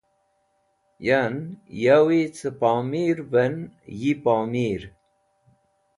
Yan yawi cẽ pomirvẽn yi pomir.